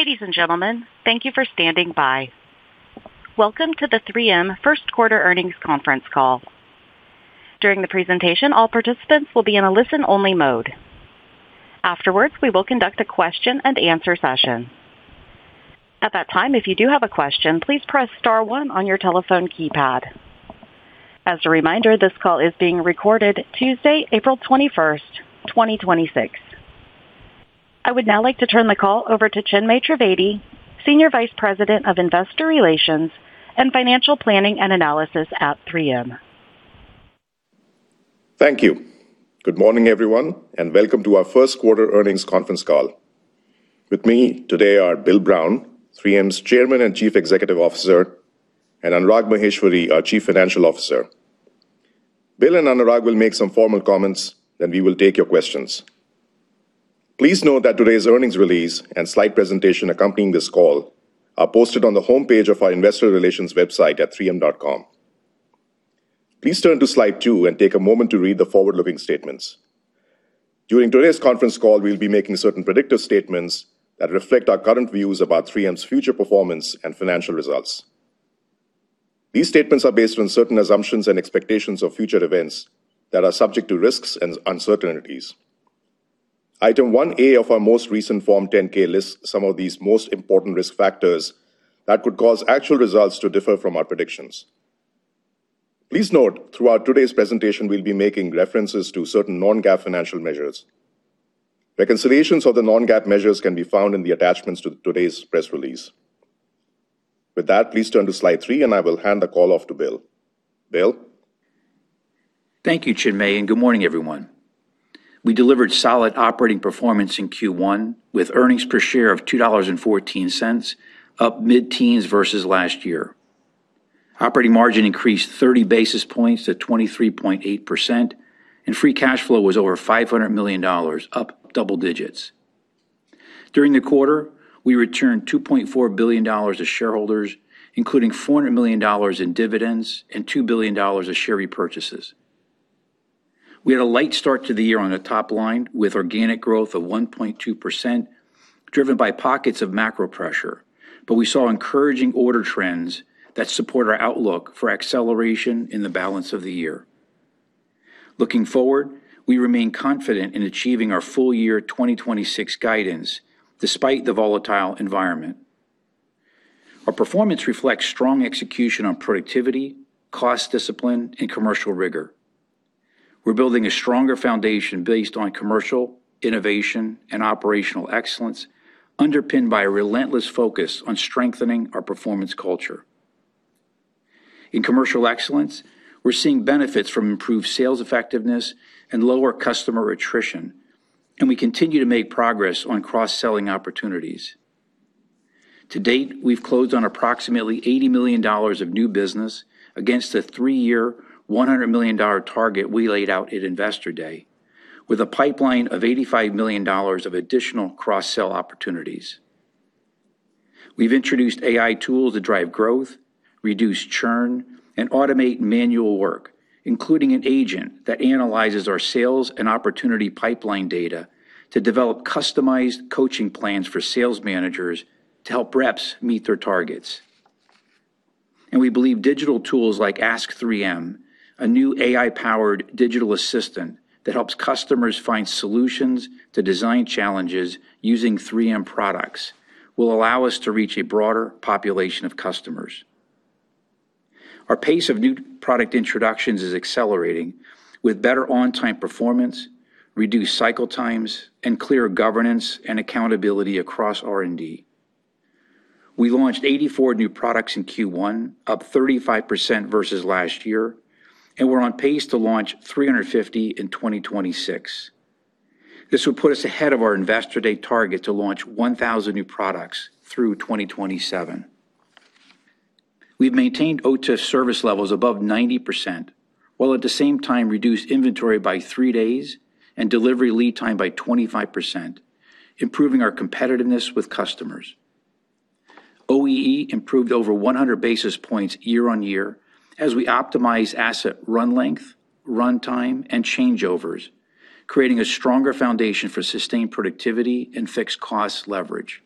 Ladies and gentlemen, thank you for standing by. Welcome to the 3M Q1 earnings conference call. During the presentation, all participants will be in a listen-only mode. Afterwards, we will conduct a question-and-answer session. At that time, if you do have a question, please press star one on your telephone keypad. As a reminder, this call is being recorded Tuesday, April 21st, 2026. I would now like to turn the call over to Chinmay Trivedi, Senior Vice President of Investor Relations and Financial Planning and Analysis at 3M. Thank you. Good morning, everyone, and welcome to our first-quarter earnings conference call. With me today are Bill Brown, 3M's Chairman and Chief Executive Officer, and Anurag Maheshwari, our Chief Financial Officer. Bill and Anurag will make some formal comments, then we will take your questions. Please note that today's earnings release and slide presentation accompanying this call are posted on the homepage of our investor relations website at 3m.com. Please turn to slide 2 and take a moment to read the forward-looking statements. During today's conference call, we'll be making certain predictive statements that reflect our current views about 3M's future performance and financial results. These statements are based on certain assumptions and expectations of future events that are subject to risks and uncertainties. Item 1A of our most recent Form 10-K lists some of these most important risk factors that could cause actual results to differ from our predictions. Please note, throughout today's presentation, we'll be making references to certain non-GAAP financial measures. Reconciliations of the non-GAAP measures can be found in the attachments to today's press release. With that, please turn to slide 3 and I will hand the call off to Bill. Bill? Thank you, Chinmay, and good morning, everyone. We delivered solid operating performance in Q1 with earnings per share of $2.14, up mid-teens versus last year. Operating margin increased 30 basis points to 23.8%, and free cash flow was over $500 million, up double digits. During the quarter, we returned $2.4 billion to shareholders, including $400 million in dividends and $2 billion of share repurchases. We had a light start to the year on the top line with organic growth of 1.2%, driven by pockets of macro pressure. We saw encouraging order trends that support our outlook for acceleration in the balance of the year. Looking forward, we remain confident in achieving our full year 2026 guidance despite the volatile environment. Our performance reflects strong execution on productivity, cost discipline, and commercial rigor. We're building a stronger foundation based on commercial, innovation, and operational excellence, underpinned by a relentless focus on strengthening our performance culture. In commercial excellence, we're seeing benefits from improved sales effectiveness and lower customer attrition, and we continue to make progress on cross-selling opportunities. To date, we've closed on approximately $80 million of new business against the three-year, $100 million target we laid out at Investor Day with a pipeline of $85 million of additional cross-sell opportunities. We've introduced AI tools to drive growth, reduce churn, and automate manual work, including an agent that analyzes our sales and opportunity pipeline data to develop customized coaching plans for sales managers to help reps meet their targets. We believe digital tools like Ask 3M, a new AI-powered digital assistant that helps customers find solutions to design challenges using 3M products, will allow us to reach a broader population of customers. Our pace of new product introductions is accelerating with better on-time performance, reduced cycle times, and clearer governance and accountability across R&D. We launched 84 new products in Q1, up 35% versus last year, and we're on pace to launch 350 in 2026. This will put us ahead of our Investor Day target to launch 1,000 new products through 2027. We've maintained OTIF service levels above 90%, while at the same time reduced inventory by three days and delivery lead time by 25%, improving our competitiveness with customers. OEE improved over 100 basis points year-on-year as we optimize asset run length, runtime, and changeovers, creating a stronger foundation for sustained productivity and fixed cost leverage.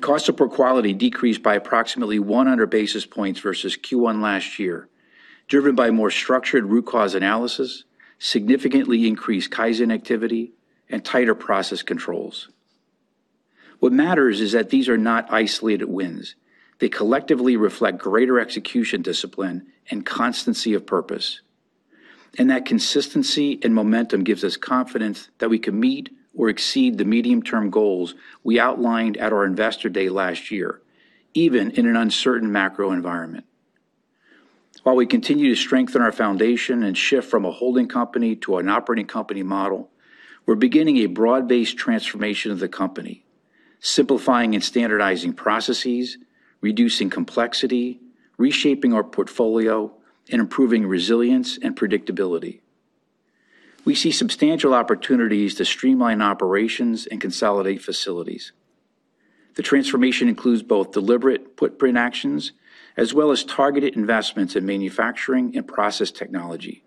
Cost of poor quality decreased by approximately 100 basis points versus Q1 last year, driven by more structured root cause analysis, significantly increased Kaizen activity, and tighter process controls. What matters is that these are not isolated wins. They collectively reflect greater execution discipline and constancy of purpose. That consistency and momentum gives us confidence that we can meet or exceed the medium-term goals we outlined at our Investor Day last year, even in an uncertain macro environment. While we continue to strengthen our foundation and shift from a holding company to an operating company model, we're beginning a broad-based transformation of the company, simplifying and standardizing processes, reducing complexity, reshaping our portfolio, and improving resilience and predictability. We see substantial opportunities to streamline operations and consolidate facilities. The transformation includes both deliberate footprint actions as well as targeted investments in manufacturing and process technology.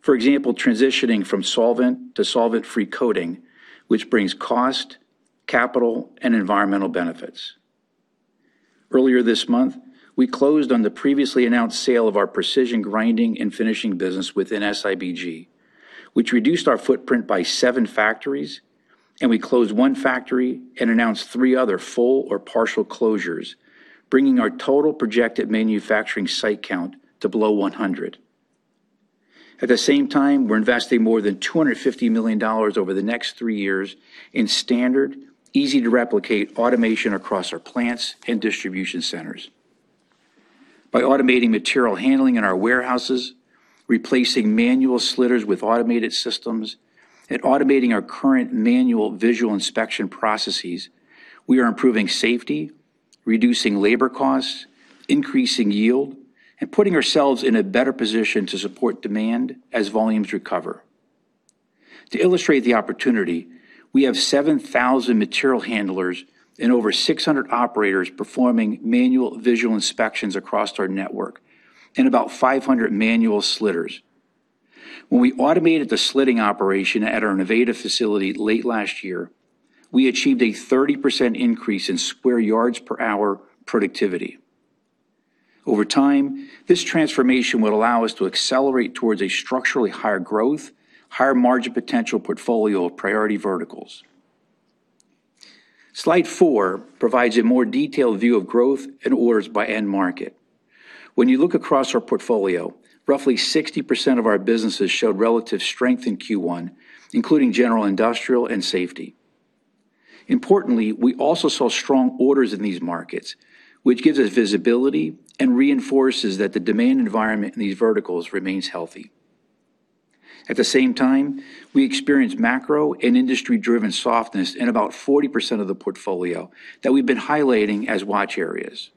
For example, transitioning from solvent to solvent-free coating, which brings cost, capital, and environmental benefits. Earlier this month, we closed on the previously announced sale of our Precision Grinding & Finishing business within SIBG, which reduced our footprint by seven factories, and we closed one factory and announced three other full or partial closures, bringing our total projected manufacturing site count to below 100. At the same time, we're investing more than $250 million over the next three years in standard, easy-to-replicate automation across our plants and distribution centers. By automating material handling in our warehouses, replacing manual slitters with automated systems, and automating our current manual visual inspection processes, we are improving safety, reducing labor costs, increasing yield, and putting ourselves in a better position to support demand as volumes recover. To illustrate the opportunity, we have 7,000 material handlers and over 600 operators performing manual visual inspections across our network and about 500 manual slitters. When we automated the slitting operation at our Nevada facility late last year, we achieved a 30% increase in square yards per hour productivity. Over time, this transformation will allow us to accelerate towards a structurally higher growth, higher margin potential portfolio of priority verticals. Slide 4 provides a more detailed view of growth and orders by end market. When you look across our portfolio, roughly 60% of our businesses showed relative strength in Q1, including general industrial and safety. Importantly, we also saw strong orders in these markets, which gives us visibility and reinforces that the demand environment in these verticals remains healthy. At the same time, we experienced macro and industry-driven softness in about 40% of the portfolio that we've been highlighting as watch areas.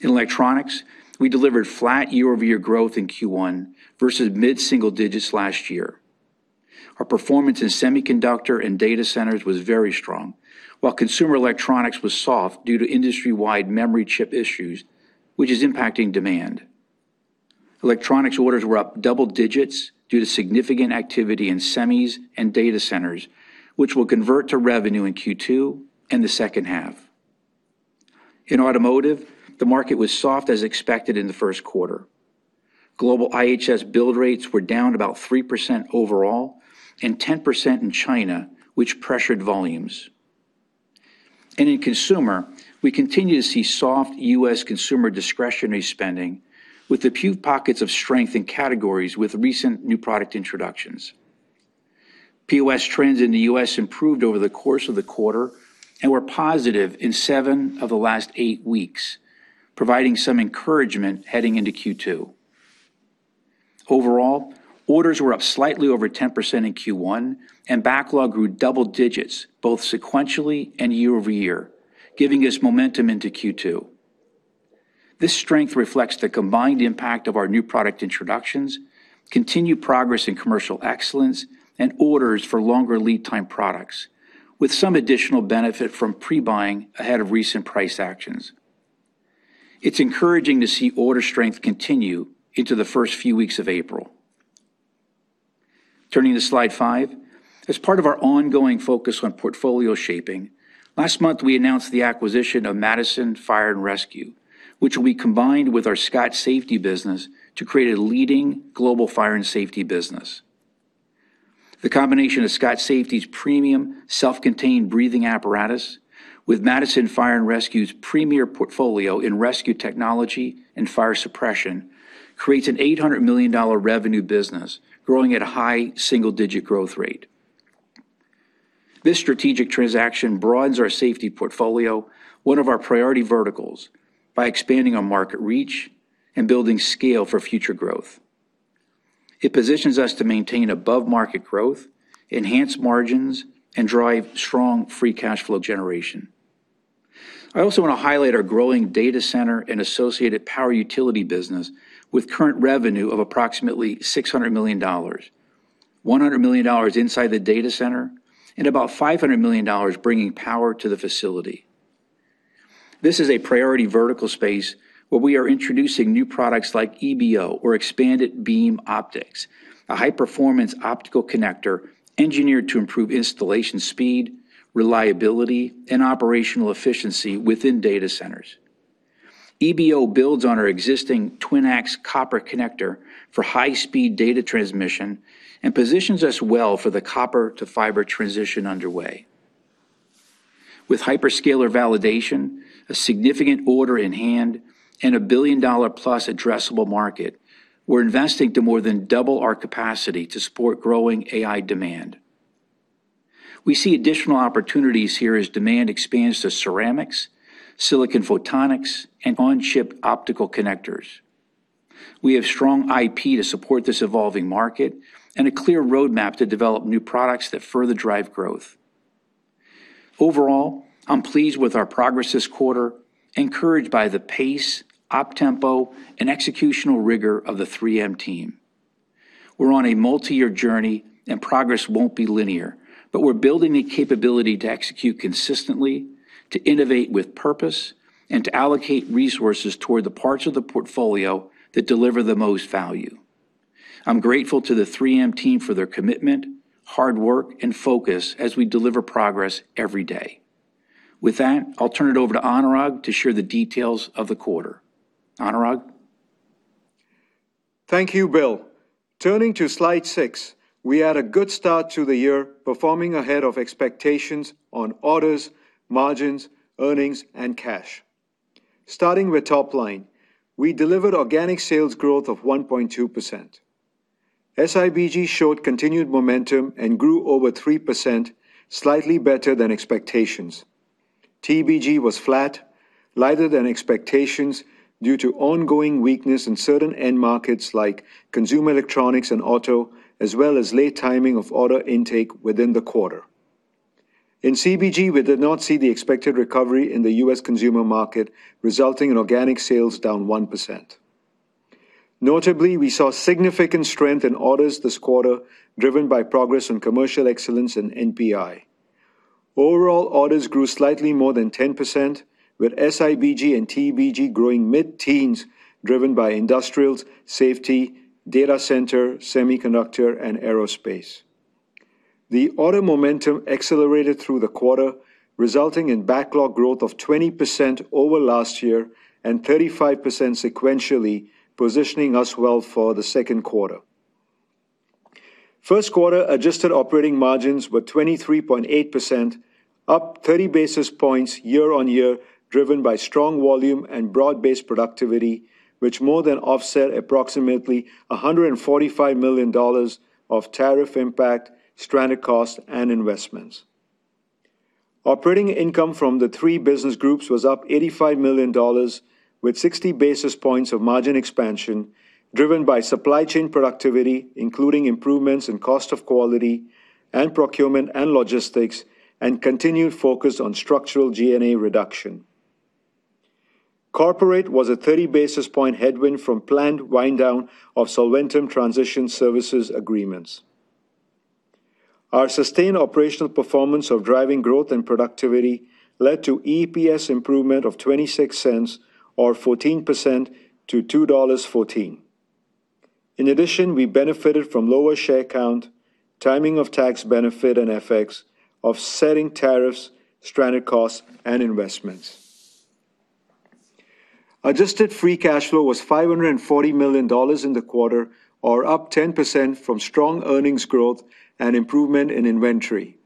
In electronics, we delivered flat year-over-year growth in Q1 versus mid-single digits last year. Our performance in semiconductor and data centers was very strong, while consumer electronics was soft due to industry-wide memory chip issues, which is impacting demand. Electronics orders were up double digits due to significant activity in semis and data centers, which will convert to revenue in Q2 and the H2. In automotive, the market was soft as expected in the Q1. Global IHS build rates were down about 3% overall and 10% in China, which pressured volumes. In consumer, we continue to see soft U.S. consumer discretionary spending with a few pockets of strength in categories with recent new product introductions. POS trends in the U.S. improved over the course of the quarter and were positive in 7 weeks of the last 8 weeks, providing some encouragement heading into Q2. Overall, orders were up slightly over 10% in Q1, and backlog grew double digits both sequentially and year-over-year, giving us momentum into Q2. This strength reflects the combined impact of our new product introductions, continued progress in commercial excellence, and orders for longer lead time products, with some additional benefit from pre-buying ahead of recent price actions. It's encouraging to see order strength continue into the first few weeks of April. Turning to slide 5. As part of our ongoing focus on portfolio shaping, last month, we announced the acquisition of Madison Fire & Rescue, which will be combined with our Scott Safety business to create a leading global fire and safety business. The combination of Scott Safety's premium self-contained breathing apparatus with Madison Fire & Rescue's premier portfolio in rescue technology and fire suppression creates an $800 million revenue business growing at a high single-digit growth rate. This strategic transaction broadens our safety portfolio, one of our priority verticals, by expanding our market reach and building scale for future growth. It positions us to maintain above-market growth, enhance margins, and drive strong free cash flow generation. I also want to highlight our growing data center and associated power utility business with current revenue of approximately $600 million, $100 million inside the data center and about $500 million bringing power to the facility. This is a priority vertical space where we are introducing new products like EBO, or Expanded Beam Optics, a high-performance optical connector engineered to improve installation speed, reliability, and operational efficiency within data centers. EBO builds on our existing TwinAx copper connector for high-speed data transmission and positions us well for the copper-to-fiber transition underway. With hyperscaler validation, a significant order in hand, and a $1 billion+ addressable market, we're investing to more than double our capacity to support growing AI demand. We see additional opportunities here as demand expands to ceramics, silicon photonics, and on-chip optical connectors. We have strong IP to support this evolving market and a clear roadmap to develop new products that further drive growth. Overall, I'm pleased with our progress this quarter, encouraged by the pace, op tempo, and executional rigor of the 3M team. We're on a multi-year journey and progress won't be linear, but we're building the capability to execute consistently, to innovate with purpose, and to allocate resources toward the parts of the portfolio that deliver the most value. I'm grateful to the 3M team for their commitment, hard work, and focus as we deliver progress every day. With that, I'll turn it over to Anurag to share the details of the quarter. Anurag? Thank you, Bill. Turning to slide 6, we had a good start to the year, performing ahead of expectations on orders, margins, earnings, and cash. Starting with top line, we delivered organic sales growth of 1.2%. SIBG showed continued momentum and grew over 3%, slightly better than expectations. TBG was flat, lighter than expectations due to ongoing weakness in certain end markets like consumer electronics and auto, as well as late timing of order intake within the quarter. In CBG, we did not see the expected recovery in the U.S. consumer market, resulting in organic sales down 1%. Notably, we saw significant strength in orders this quarter, driven by progress on commercial excellence and NPI. Overall, orders grew slightly more than 10%, with SIBG and TBG growing mid-teens, driven by industrials, safety, data center, semiconductor, and aerospace. The order momentum accelerated through the quarter, resulting in backlog growth of 20% over last year and 35% sequentially, positioning us well for the Q2. Q1 adjusted operating margins were 23.8%, up 30 basis points year-on-year driven by strong volume and broad-based productivity, which more than offset approximately $145 million of tariff impact, stranded costs, and investments. Operating income from the three Business Groups was up $85 million, with 60 basis points of margin expansion driven by supply chain productivity, including improvements in cost of quality and procurement and logistics, and continued focus on structural G&A reduction. Corporate was a 30 basis point headwind from planned wind down of Solventum transition services agreements. Our sustained operational performance of driving growth and productivity led to EPS improvement of $0.26 or 14% to $2.14. In addition, we benefited from lower share count, timing of tax benefit and FX, offsetting tariffs, stranded costs, and investments. Adjusted free cash flow was $540 million in the quarter, or up 10% from strong earnings growth and improvement in inventory,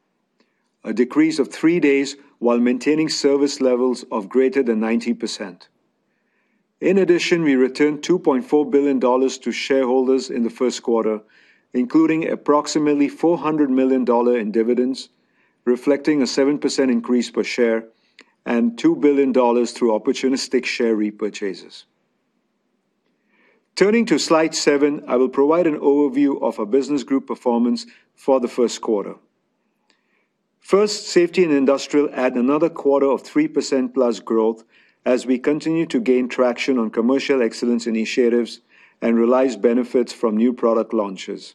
a decrease of three days while maintaining service levels of greater than 90%. In addition, we returned $2.4 billion to shareholders in the Q1, including approximately $400 million in dividends, reflecting a 7% increase per share and $2 billion through opportunistic share repurchases. Turning to slide 7, I will provide an overview of our Business Groups performance for the Q1. First, Safety and Industrial add another quarter of 3%+ growth as we continue to gain traction on commercial excellence initiatives and realize benefits from new product launches.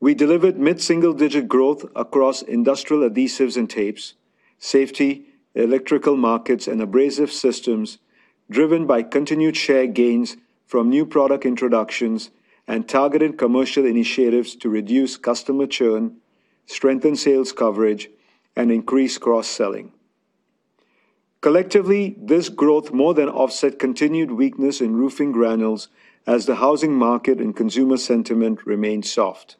We delivered mid-single-digit growth across industrial adhesives and tapes, safety, electrical markets, and abrasive systems driven by continued share gains from new product introductions and targeted commercial initiatives to reduce customer churn, strengthen sales coverage, and increase cross-selling. Collectively, this growth more than offset continued weakness in roofing granules as the housing market and consumer sentiment remained soft.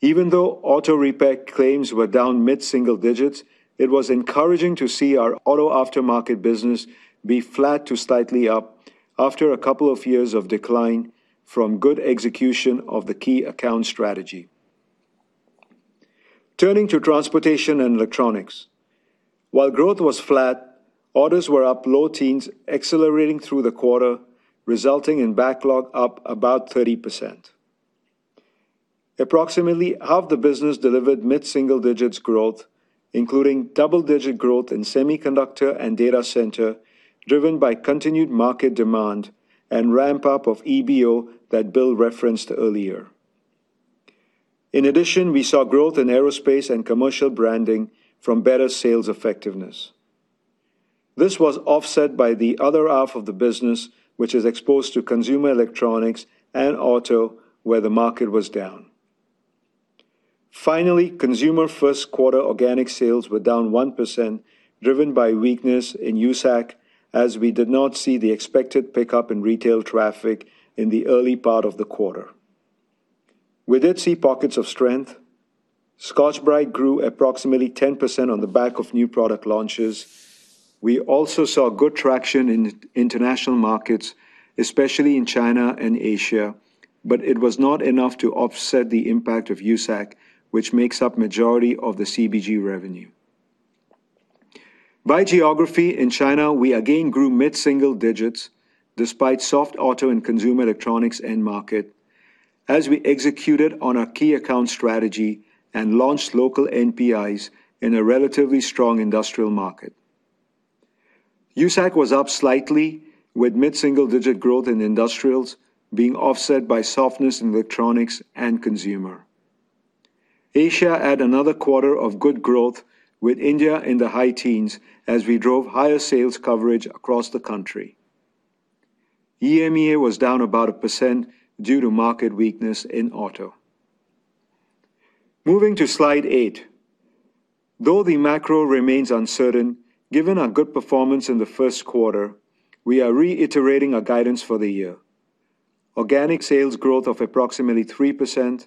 Even though auto repair claims were down mid-single digits, it was encouraging to see our auto aftermarket business be flat to slightly up after a couple of years of decline from good execution of the key account strategy. Turning to Transportation and Electronics. While growth was flat, orders were up low teens accelerating through the quarter, resulting in backlog up about 30%. Approximately half the business delivered mid-single digits growth, including double-digit growth in semiconductor and data center, driven by continued market demand and ramp-up of EBO that Bill referenced earlier. In addition, we saw growth in aerospace and commercial branding from better sales effectiveness. This was offset by the other half of the business, which is exposed to consumer electronics and auto, where the market was down. Finally, Consumer Q1 organic sales were down 1%, driven by weakness in USAC, as we did not see the expected pickup in retail traffic in the early part of the quarter. We did see pockets of strength. Scotch-Brite grew approximately 10% on the back of new product launches. We also saw good traction in international markets, especially in China and Asia, but it was not enough to offset the impact of USAC, which makes up majority of the CBG revenue. By geography, in China, we again grew mid-single digits despite soft auto and consumer electronics end market, as we executed on our key account strategy and launched local NPIs in a relatively strong industrial market. USAC was up slightly with mid-single-digit growth in industrials being offset by softness in electronics and consumer. Asia had another quarter of good growth with India in the high teens as we drove higher sales coverage across the country. EMEA was down about 1% due to market weakness in auto. Moving to slide 8. Though the macro remains uncertain, given our good performance in the Q1, we are reiterating our guidance for the year. Organic sales growth of approximately 3%,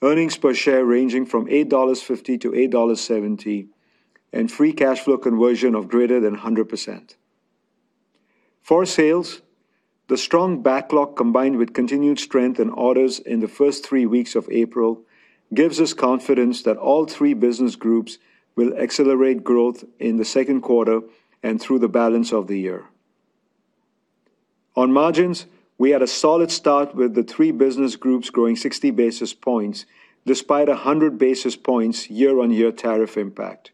earnings per share ranging from $8.50-$8.70, and free cash flow conversion of greater than 100%. For sales, the strong backlog, combined with continued strength in orders in the first three weeks of April, gives us confidence that all three Business Groups will accelerate growth in the Q2 and through the balance of the year. On margins, we had a solid start with the three Business Groups growing 60 basis points despite 100 basis points year-on-year tariff impact.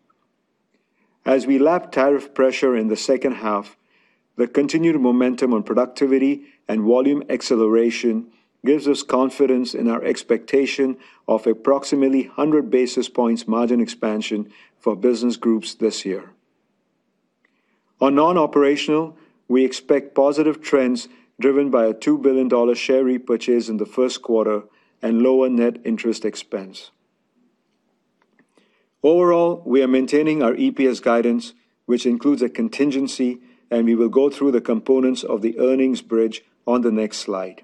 As we lap tariff pressure in the H2, the continued momentum on productivity and volume acceleration gives us confidence in our expectation of approximately 100 basis points margin expansion for Business Groups this year. On non-operational, we expect positive trends driven by a $2 billion share repurchase in the Q1 and lower net interest expense. Overall, we are maintaining our EPS guidance, which includes a contingency, and we will go through the components of the earnings bridge on the next slide.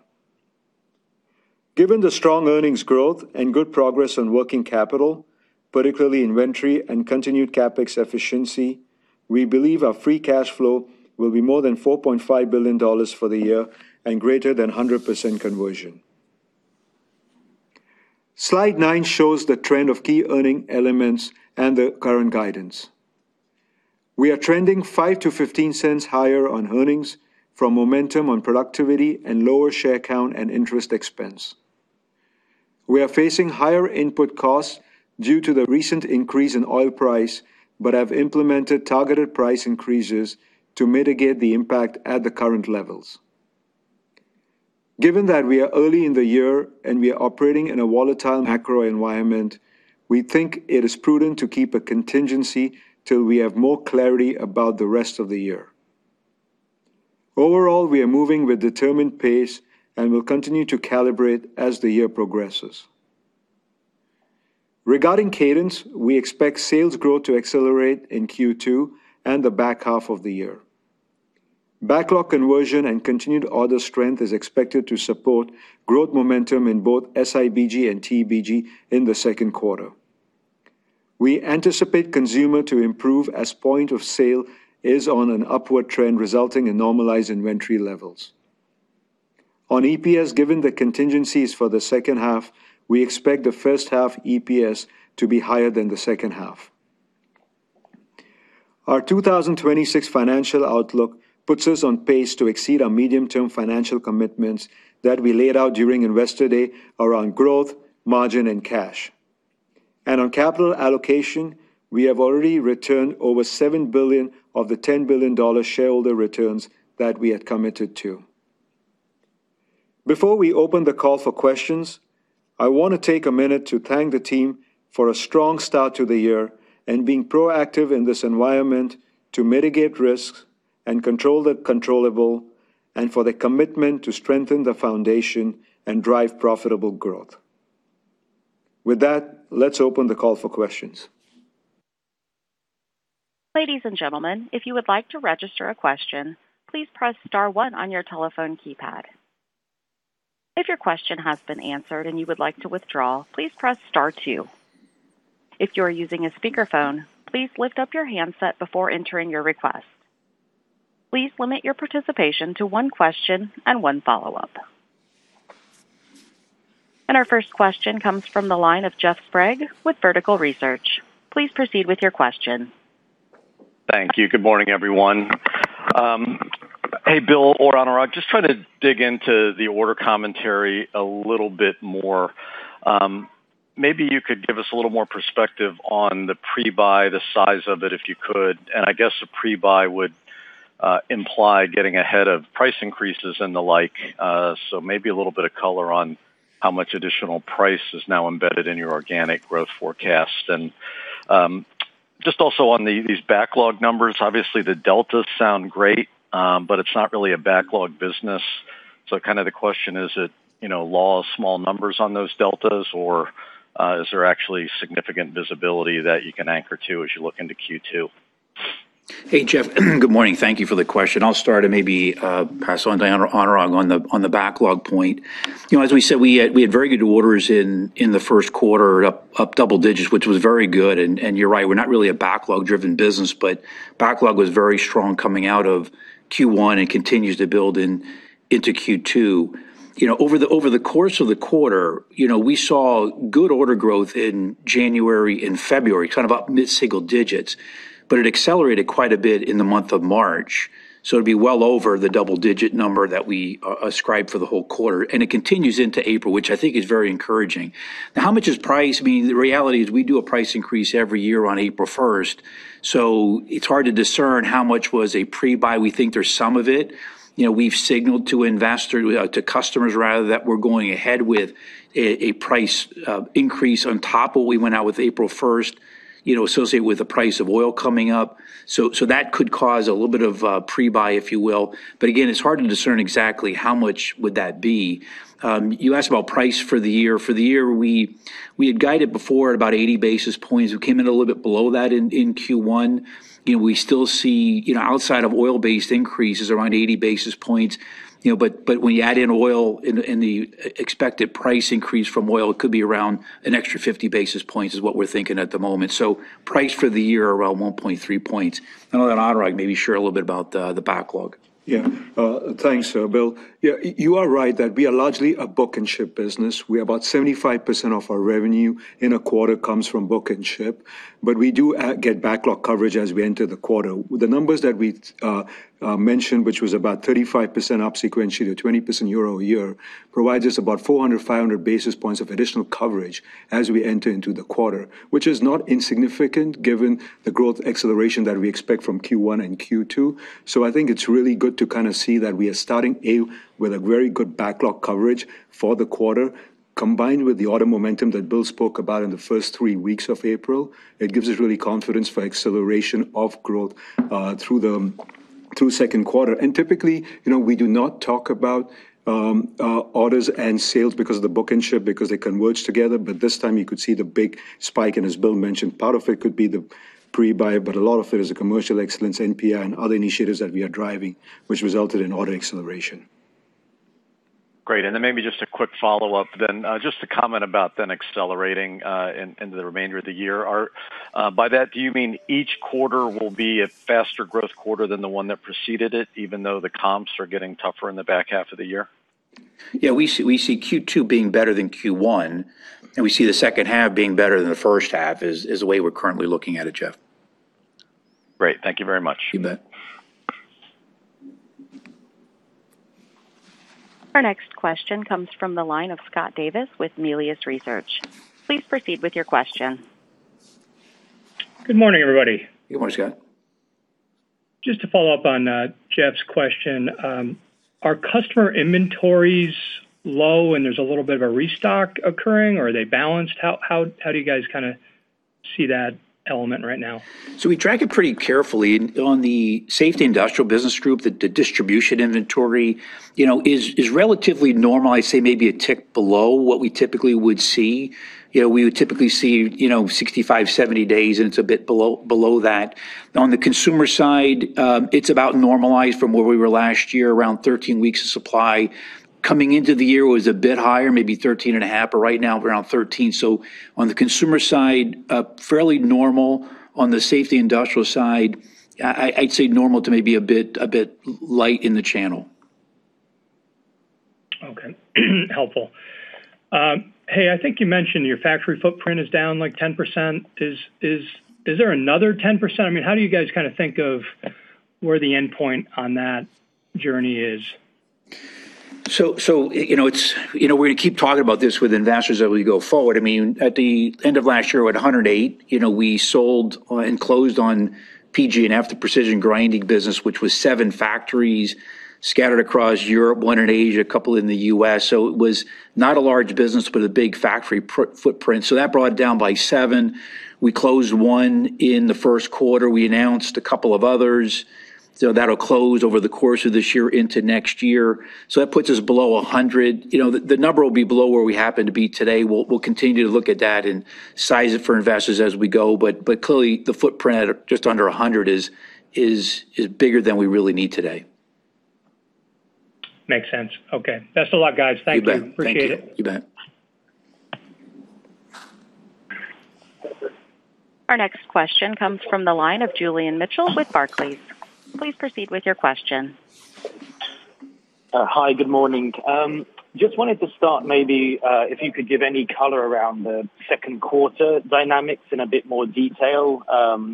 Given the strong earnings growth and good progress on working capital, particularly inventory and continued CapEx efficiency, we believe our free cash flow will be more than $4.5 billion for the year and greater than 100% conversion. Slide 9 shows the trend of key earnings elements and the current guidance. We are trending $0.05-$0.15 higher on earnings from momentum on productivity and lower share count and interest expense. We are facing higher input costs due to the recent increase in oil price, but have implemented targeted price increases to mitigate the impact at the current levels. Given that we are early in the year and we are operating in a volatile macro environment, we think it is prudent to keep a contingency till we have more clarity about the rest of the year. Overall, we are moving with determined pace and will continue to calibrate as the year progresses. Regarding cadence, we expect sales growth to accelerate in Q2 and the H2 of the year. Backlog conversion and continued order strength is expected to support growth momentum in both SIBG and TBG in the Q2. We anticipate consumer to improve as point of sale is on an upward trend, resulting in normalized inventory levels. On EPS, given the contingencies for the H2, we expect the H1 EPS to be higher than theH2. Our 2026 financial outlook puts us on pace to exceed our medium-term financial commitments that we laid out during Investor Day around growth, margin, and cash. On capital allocation, we have already returned over $7 billion of the $10 billion shareholder returns that we had committed to. Before we open the call for questions, I want to take a minute to thank the team for a strong start to the year and being proactive in this environment to mitigate risks and control the controllable, and for the commitment to strengthen the foundation and drive profitable growth. With that, let's open the call for questions. Ladies and gentlemen, if you would like to register a question, please press star one on your telephone keypad. If your question has been answered and you would like to withdraw, please press star two. If you are using a speakerphone, please lift up your handset before entering your request. Please limit your participation to one question and one follow-up. Our first question comes from the line of Jeff Sprague with Vertical Research. Please proceed with your question. Thank you. Good morning, everyone. Hey, Bill or Anurag. Just trying to dig into the order commentary a little bit more. Maybe you could give us a little more perspective on the pre-buy, the size of it, if you could, and I guess the pre-buy would imply getting ahead of price increases and the like. Maybe a little bit of color on how much additional price is now embedded in your organic growth forecast. Just also on these backlog numbers, obviously the deltas sound great, but it's not really a backlog business. Kind of the question, is it law of small numbers on those deltas, or is there actually significant visibility that you can anchor to as you look into Q2? Hey, Jeff. Good morning. Thank you for the question. I'll start and maybe pass on to Anurag on the backlog point. As we said, we had very good orders in the Q1, up double digits, which was very good. You're right, we're not really a backlog-driven business, but backlog was very strong coming out of Q1 and continues to build into Q2. Over the course of the quarter, we saw good order growth in January and February, kind of up mid-single digits, but it accelerated quite a bit in the month of March It'd be well over the double digit number that we ascribed for the whole quarter, and it continues into April, which I think is very encouraging. Now, how much is price? The reality is we do a price increase every year on April 1st, so it's hard to discern how much was a pre-buy. We think there's some of it. We've signaled to customers that we're going ahead with a price increase on top of what we went out with April 1st, associated with the price of oil coming up. That could cause a little bit of a pre-buy, if you will. Again, it's hard to discern exactly how much would that be. You asked about price for the year. For the year, we had guided before at about 80 basis points. We came in a little bit below that in Q1. We still see, outside of oil-based increases, around 80 basis points. When you add in oil and the expected price increase from oil, it could be around an extra 50 basis points, is what we're thinking at the moment. Price for the year, around 1.3 points. I know that Anurag may share a little bit about the backlog. Yeah. Thanks, Bill. You are right that we are largely a book and ship business. We have about 75% of our revenue in a quarter comes from book and ship. We do get backlog coverage as we enter the quarter. The numbers that we mentioned, which was about 35% up sequentially to 20% year-over-year, provides us about 400 basis points-500 basis points of additional coverage as we enter into the quarter, which is not insignificant given the growth acceleration that we expect from Q1 and Q2. I think it's really good to kind of see that we are starting with a very good backlog coverage for the quarter, combined with the order momentum that Bill spoke about in the first three weeks of April. It gives us real confidence for acceleration of growth through Q2. Typically, we do not talk about orders and sales because of the book and ship, because they converge together. This time you could see the big spike, and as Bill mentioned, part of it could be the pre-buy, but a lot of it is the commercial excellence, NPI, and other initiatives that we are driving, which resulted in order acceleration. Great. Maybe just a quick follow-up then. Just a comment about then accelerating in the remainder of the year. By that, do you mean each quarter will be a faster growth quarter than the one that preceded it, even though the comps are getting tougher in the H2 of the year? Yeah, we see Q2 being better than Q1, and we see the H2 being better than the H1, is the way we're currently looking at it, Jeff. Great. Thank you very much. You bet. Our next question comes from the line of Scott Davis with Melius Research. Please proceed with your question. Good morning, everybody. Good morning, Scott. Just to follow up on Jeff's question, are customer inventories low and there's a little bit of a restock occurring, or are they balanced? How do you guys kind of see that element right now? We track it pretty carefully. On the Safety Industrial Business Group, the distribution inventory is relatively normal. I'd say maybe a tick below what we typically would see. We would typically see 65 days-70 days, and it's a bit below that. On the consumer side, it's about normalized from where we were last year, around 13 weeks of supply. Coming into the year was a bit higher, maybe 13.5, but right now we're around 13. On the consumer side, fairly normal. On the Safety Industrial side, I'd say normal to maybe a bit light in the channel. Okay. Helpful. Hey, I think you mentioned your factory footprint is down like 10%. Is there another 10%? How do you guys kind of think of where the endpoint on that journey is? We're going to keep talking about this with investors as we go forward. At the end of last year, we had 108. We sold and closed on PG and half the Precision Grinding business, which was 7 factories scattered across Europe, 1 in Asia, a couple in the U.S. It was not a large business, but a big factory footprint. That brought it down by 7. We closed 1 in the Q1. We announced a couple of others. That'll close over the course of this year into next year. That puts us below 100. The number will be below where we happen to be today. We'll continue to look at that and size it for investors as we go. Clearly the footprint at just under 100 is bigger than we really need today. Makes sense. Okay. Best of luck, guys. Thank you. You bet. Appreciate it. You bet. Our next question comes from the line of Julian Mitchell with Barclays. Please proceed with your question. Hi. Good morning. Just wanted to start maybe if you could give any color around the Q2 dynamics in a bit more detail.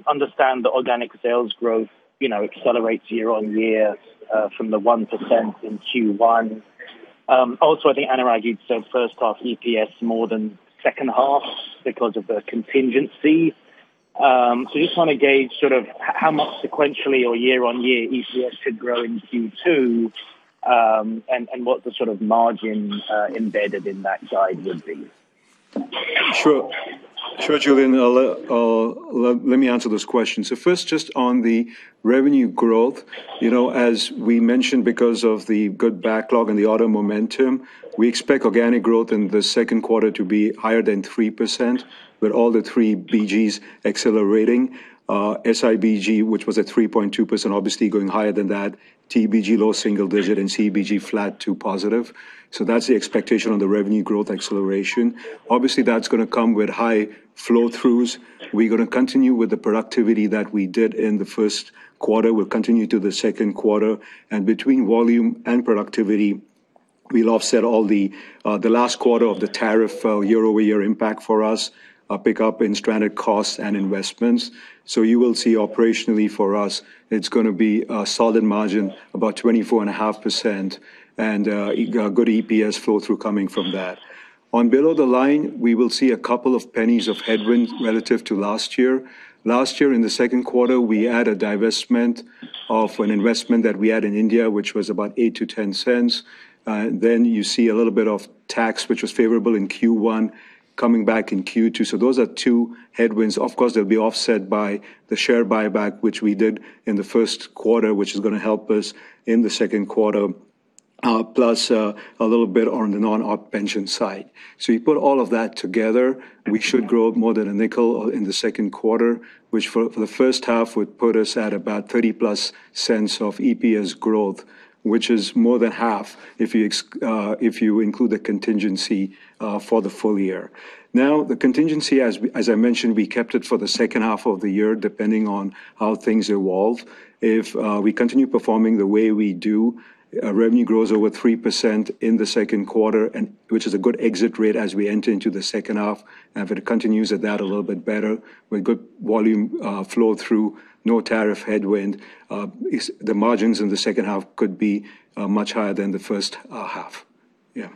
Understand the organic sales growth accelerates year-on-year from the 1% in Q1. Also, I think, Anurag, you'd said H1 EPS more than H2 because of the contingency. Just want to gauge sort of how much sequentially or year-on-year EPS could grow in Q2, and what the sort of margin embedded in that guide would be. Sure, Julian. Let me answer those questions. First, just on the revenue growth. As we mentioned, because of the good backlog and the order momentum, we expect organic growth in the Q2 to be higher than 3%, with all the three BGs accelerating. SIBG, which was at 3.2%, obviously going higher than that. TBG, low single digit, and CBG flat to positive. That's the expectation on the revenue growth acceleration. Obviously, that's going to come with high flow-throughs. We're going to continue with the productivity that we did in the Q1. We'll continue to the Q2. Between volume and productivity, we'll offset all the last quarter of the tariff year-over-year impact for us, a pickup in stranded costs and investments. You will see operationally for us, it's going to be a solid margin, about 24.5% and a good EPS flow-through coming from that. On below the line, we will see a couple of pennies of headwind relative to last year. Last year, in the Q2, we had a divestment of an investment that we had in India, which was about $0.08-$0.10. You see a little bit of tax, which was favorable in Q1, coming back in Q2. Those are two headwinds. Of course, they'll be offset by the share buyback, which we did in the Q1, which is going to help us in the Q2, plus a little bit on the non-op pension side. You put all of that together, we should grow more than $0.05 in the Q2, which for the H1 would put us at about $0.30+ of EPS growth, which is more than half if you include the contingency for the full year. Now, the contingency, as I mentioned, we kept it for the H2 of the year, depending on how things evolve. If we continue performing the way we do, revenue grows over 3% in the Q2, which is a good exit rate as we enter into the H2. If it continues at that a little bit better, with good volume flow through, no tariff headwind, the margins in the H2 could be much higher than the H1. Yeah.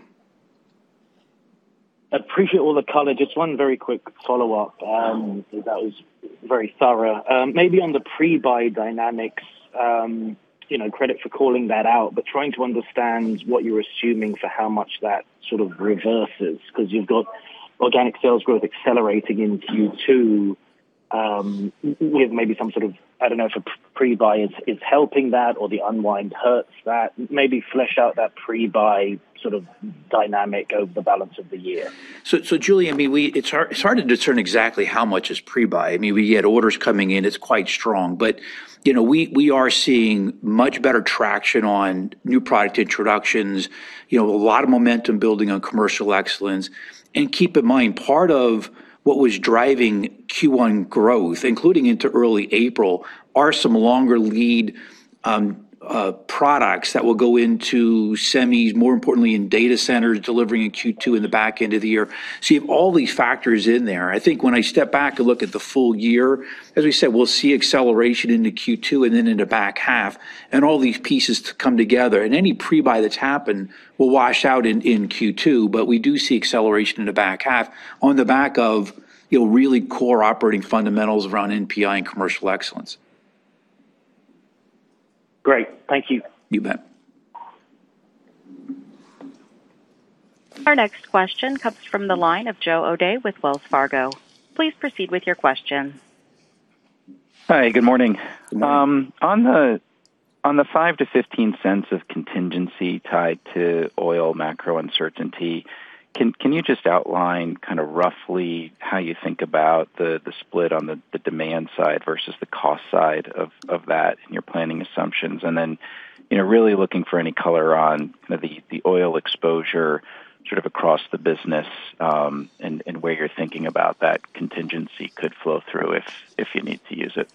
I appreciate all the color. Just one very quick follow-up. That was very thorough. Maybe on the pre-buy dynamics, credit for calling that out, but trying to understand what you're assuming for how much that sort of reverses, because you've got organic sales growth accelerating in Q2 with maybe some sort of, I don't know if a pre-buy is helping that or the unwind hurts that. Maybe flesh out that pre-buy sort of dynamic over the balance of the year. Julian, it's hard to discern exactly how much is pre-buy. We had orders coming in. It's quite strong. We are seeing much better traction on new product introductions. A lot of momentum building on commercial excellence. Keep in mind, part of what was driving Q1 growth, including into early April, are some longer lead products that will go into semis, more importantly in data centers, delivering in Q2 in the back end of the year. You have all these factors in there. I think when I step back and look at the full year, as we said, we'll see acceleration into Q2 and then in the H2 and all these pieces to come together. Any pre-buy that's happened will wash out in Q2. We do see acceleration in the H2 on the back of really core operating fundamentals around NPI and commercial excellence. Great. Thank you. You bet. Our next question comes from the line of Joe O'Dea with Wells Fargo. Please proceed with your question. Hi. Good morning. On the $0.05-$0.15 of contingency tied to oil macro uncertainty, can you just outline kind of roughly how you think about the split on the demand side versus the cost side of that in your planning assumptions? Really looking for any color on the oil exposure sort of across the business and where you're thinking about that contingency could flow through if you need to use it.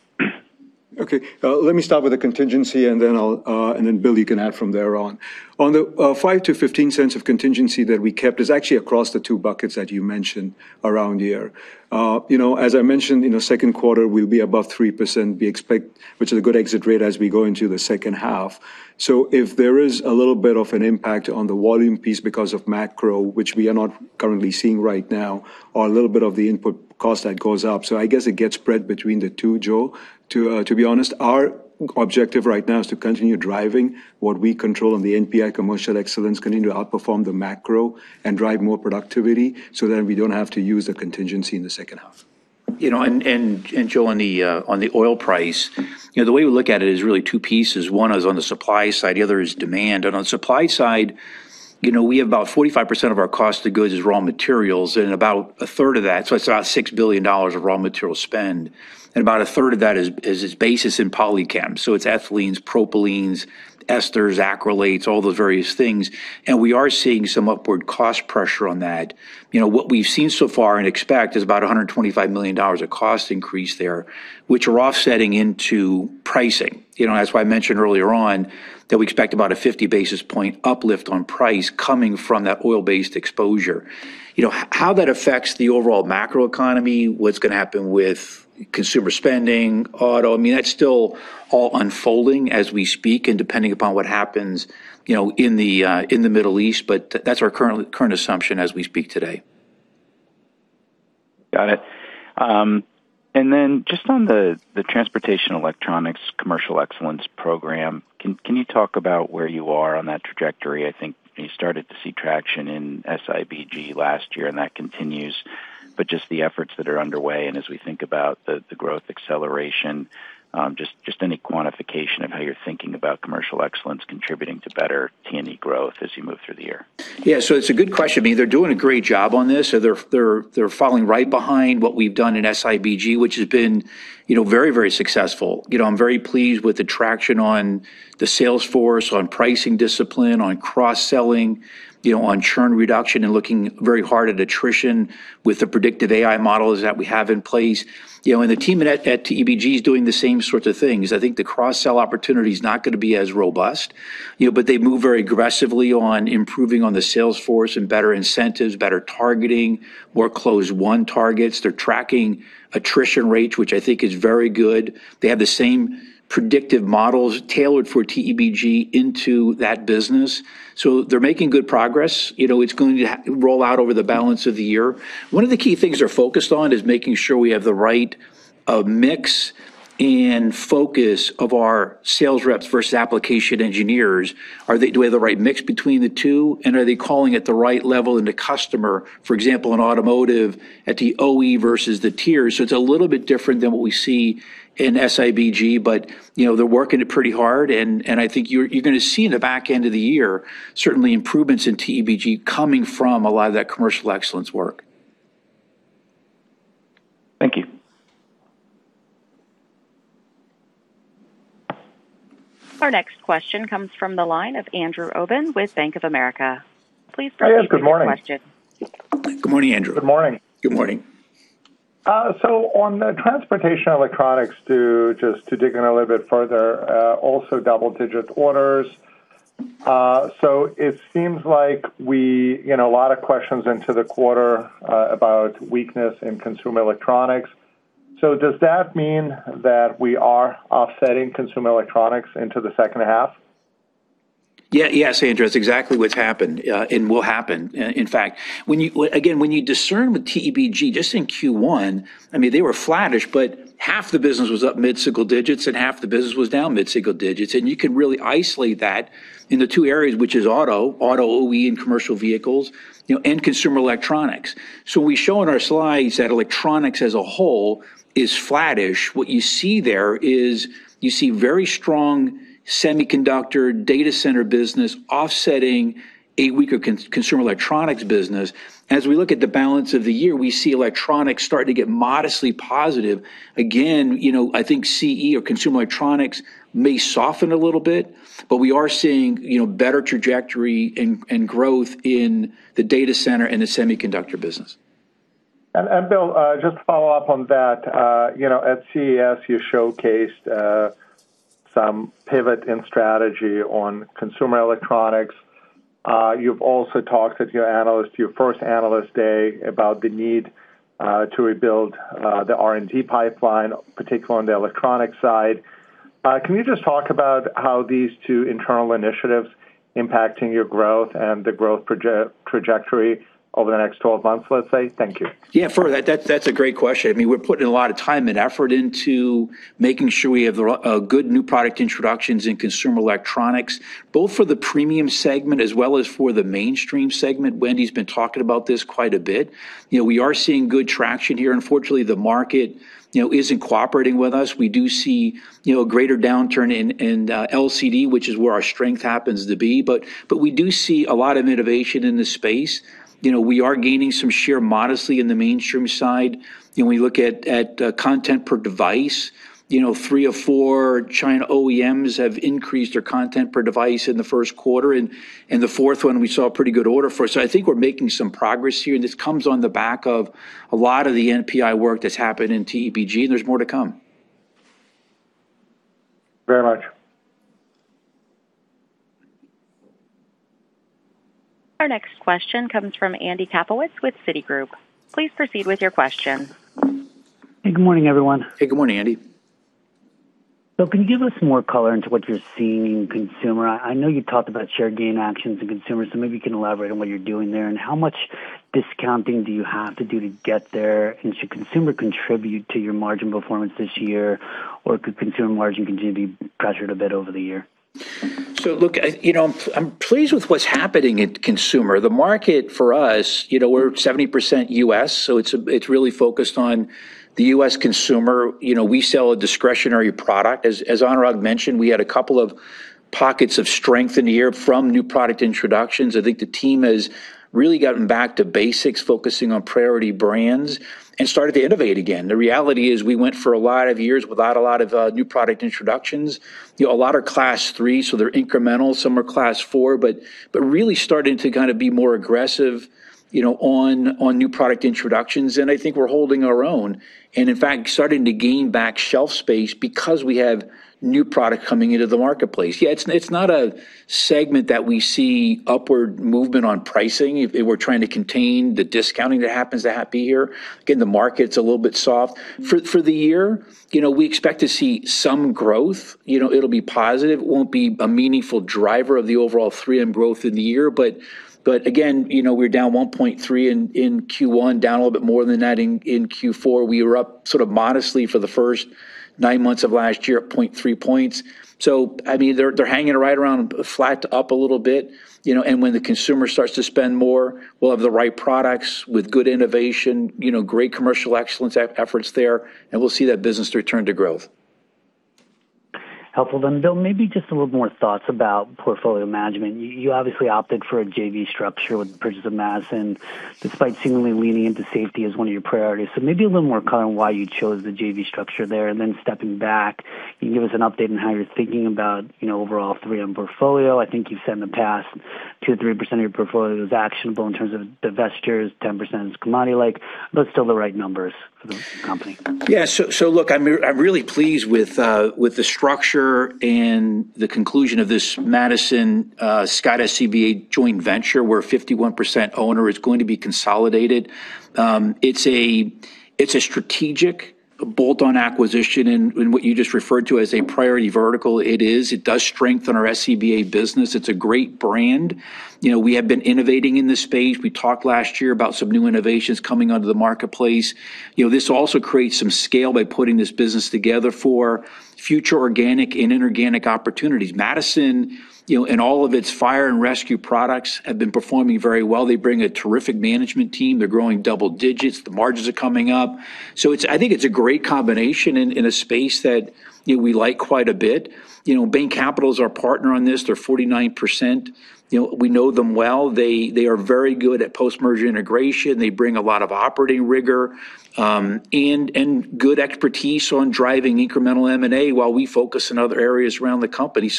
Okay. Let me start with the contingency and then Bill, you can add from there on. On the $0.05-$0.15 of contingency that we kept is actually across the two buckets that you mentioned around here. As I mentioned, Q2 will be above 3%, which is a good exit rate as we go into the H2. If there is a little bit of an impact on the volume piece because of macro, which we are not currently seeing right now, or a little bit of the input cost that goes up. I guess it gets spread between the two, Joe. To be honest, our objective right now is to continue driving what we control on the NPI commercial excellence, continue to outperform the macro and drive more productivity so that we don't have to use the contingency in the H2. Joe, on the oil price, the way we look at it is really two pieces. One is on the supply side, the other is demand. On supply side, we have about 45% of our cost of goods is raw materials, and about a 1/3 of that, so it's about $6 billion of raw material spend, and about a 1/3 of that is its basis in petrochem. It's ethylenes, propylenes, esters, acrylates, all those various things, and we are seeing some upward cost pressure on that. What we've seen so far and expect is about $125 million of cost increase there, which we're offsetting into pricing. That's why I mentioned earlier on that we expect about a 50 basis point uplift on price coming from that oil-based exposure. How that affects the overall macroeconomy, what's going to happen with consumer spending, auto, that's still all unfolding as we speak, and depending upon what happens in the Middle East, but that's our current assumption as we speak today. Got it. Just on the Transportation & Electronics Commercial Excellence Program, can you talk about where you are on that trajectory? I think you started to see traction in SIBG last year, and that continues. Just the efforts that are underway, and as we think about the growth acceleration, just any quantification of how you're thinking about commercial excellence contributing to better T&E growth as you move through the year. Yeah. It's a good question. They're doing a great job on this. They're following right behind what we've done in SIBG, which has been very successful. I'm very pleased with the traction on the sales force, on pricing discipline, on cross-selling, on churn reduction, and looking very hard at attrition with the predictive AI models that we have in place. The team at TEBG is doing the same sorts of things. I think the cross-sell opportunity is not going to be as robust. They move very aggressively on improving on the sales force and better incentives, better targeting, more close one targets. They're tracking attrition rates, which I think is very good. They have the same predictive models tailored for TEBG into that business. They're making good progress. It's going to roll out over the balance of the year. One of the key things they're focused on is making sure we have the right mix and focus of our sales reps versus application engineers. Do we have the right mix between the two, and are they calling at the right level in the customer, for example, in automotive, at the OE versus the tier? It's a little bit different than what we see in SIBG, but they're working it pretty hard, and I think you're going to see in the back end of the year, certainly improvements in TEBG coming from a lot of that commercial excellence work. Thank you. Our next question comes from the line of Andrew Obin with Bank of America. Please proceed with your question. Good morning, Andrew. Good morning. Good morning. On the transportation electronics, just to dig in a little bit further, also double-digit orders. It seems like a lot of questions into the quarter about weakness in consumer electronics. Does that mean that we are offsetting consumer electronics into the H2? Yes, Andrew, that's exactly what's happened and will happen, in fact. Again, when you discern with TEBG, just in Q1, they were flattish, but half the business was up mid-single digits and half the business was down mid-single digits. You can really isolate that in the two areas, which is auto, OE and commercial vehicles, and consumer electronics. We show in our slides that electronics as a whole is flattish. What you see there is very strong semiconductor data center business offsetting a weaker consumer electronics business. As we look at the balance of the year, we see electronics starting to get modestly positive. Again, I think CE or consumer electronics may soften a little bit, but we are seeing better trajectory and growth in the data center and the semiconductor business. Bill, just to follow up on that. At CES, you showcased some pivot in strategy on consumer electronics. You've also talked with your first analyst day about the need to rebuild the R&D pipeline, particularly on the electronic side. Can you just talk about how these two internal initiatives impacting your growth and the growth trajectory over the next 12 months, let's say? Thank you. Yeah, that's a great question. We're putting a lot of time and effort into making sure we have good new product introductions in consumer electronics, both for the premium segment as well as for the mainstream segment. Wendy's been talking about this quite a bit. We are seeing good traction here. Unfortunately, the market isn't cooperating with us. We do see a greater downturn in LCD, which is where our strength happens to be. We do see a lot of innovation in this space. We are gaining some share modestly in the mainstream side. We look at content per device. Three of four China OEMs have increased their content per device in the Q1, and the Q4 we saw a pretty good order for. I think we're making some progress here, and this comes on the back of a lot of the NPI work that's happened in TEBG, and there's more to come. Very much. Our next question comes from Andrew Kaplowitz with Citigroup. Please proceed with your question. Good morning, everyone. Hey, good morning, Andy. Can you give us more color into what you're seeing in consumer? I know you talked about share gain actions in consumer, so maybe you can elaborate on what you're doing there, and how much discounting do you have to do to get there? Should consumer contribute to your margin performance this year, or could consumer margin continue to be pressured a bit over the year? Look, I'm pleased with what's happening at Consumer. The market for us, we're 70% U.S., so it's really focused on the U.S. consumer. We sell a discretionary product. As Anurag mentioned, we had a couple of pockets of strength in the year from new product introductions. I think the team has really gotten back to basics, focusing on priority brands and started to innovate again. The reality is we went for a lot of years without a lot of new product introductions. A lot are class three, so they're incremental. Some are class four, but really starting to kind of be more aggressive on new product introductions. I think we're holding our own and, in fact, starting to gain back shelf space because we have new product coming into the marketplace. Yeah, it's not a segment that we see upward movement on pricing. We're trying to contain the discounting that happens to be here. Again, the market's a little bit soft. For the year, we expect to see some growth. It'll be positive. It won't be a meaningful driver of the overall 3M growth in the year. But again, we're down 1.3 in Q1, down a little bit more than that in Q4. We were up sort of modestly for the first nine months of last year at 0.3 points. So they're hanging right around flat to up a little bit. When the consumer starts to spend more, we'll have the right products with good innovation, great commercial excellence efforts there, and we'll see that business return to growth. Helpful. Bill, maybe just a little more thoughts about portfolio management. You obviously opted for a JV structure with the purchase of Madison, despite seemingly leaning into safety as one of your priorities. Maybe a little more color on why you chose the JV structure there, and then stepping back, can you give us an update on how you're thinking about overall 3M portfolio? I think you've said in the past 2%-3% of your portfolio is actionable in terms of divestitures, 10% is commodity-like. Are those still the right numbers for the company? Yeah. Look, I'm really pleased with the structure and the conclusion of this Madison Scott SCBA joint venture, where 51% owner is going to be consolidated. It's a strategic bolt-on acquisition in what you just referred to as a priority vertical. It is. It does strengthen our SCBA business. It's a great brand. We have been innovating in this space. We talked last year about some new innovations coming onto the marketplace. This also creates some scale by putting this business together for future organic and inorganic opportunities. Madison, and all of its fire and rescue products, have been performing very well. They bring a terrific management team. They're growing double digits. The margins are coming up. I think it's a great combination in a space that we like quite a bit. Bain Capital is our partner on this. They're 49%. We know them well. They are very good at post-merger integration. They bring a lot of operating rigor, and good expertise on driving incremental M&A while we focus on other areas around the company.